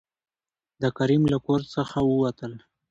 د کريم له کور څخه ووتل.